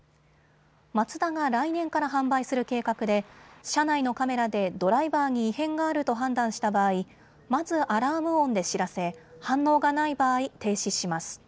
マツダが来年から販売する計画で車内のカメラでドライバーに異変があると判断した場合、まずアラーム音で知らせ反応がない場合、停止します。